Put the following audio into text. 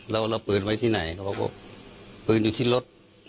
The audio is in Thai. เราเอาปืนไว้ที่ไหนเขาบอกปืนอยู่ที่รถ